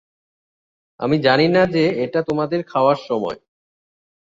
আমি জানিনা যে এটা তোমাদের খাওয়ার সময়।